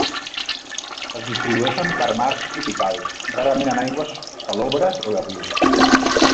Es distribueixen per mars tropicals, rarament en aigües salobres o de riu.